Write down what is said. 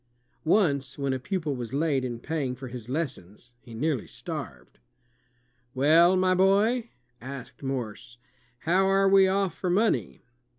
Once, when a pupil was late in paying for his lessons, he nearly starved. "Well, my boy," asked Morse, "how are we off for money?"